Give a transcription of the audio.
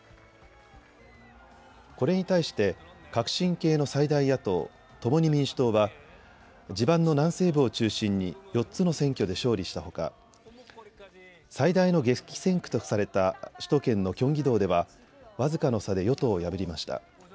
これに対して革新系の最大野党、共に民主党は地盤の南西部を中心に４つの選挙で勝利したほか最大の激戦区とされた首都圏のキョンギ道では僅かの差で与党を破りました。